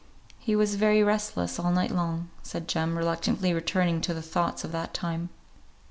"He was very restless all night long," said Jem, reluctantly returning to the thoughts of that time.